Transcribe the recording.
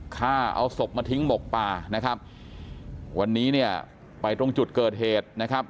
ฆ่าเอาศพมาทิ้งหมกป่านะครับวันนี้เนี่ยไปตรงจุดเกิดเหตุนะครับ